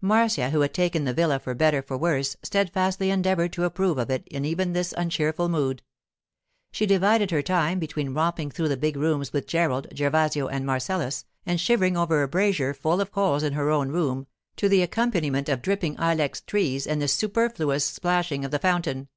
Marcia, who had taken the villa for better, for worse, steadfastly endeavoured to approve of it in even this uncheerful mood. She divided her time between romping through the big rooms with Gerald, Gervasio, and Marcellus, and shivering over a brazier full of coals in her own room, to the accompaniment of dripping ilex trees and the superfluous splashing of the fountain.